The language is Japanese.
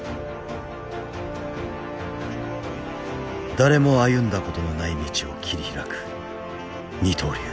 誰も歩んだことのない道を切り開く二刀流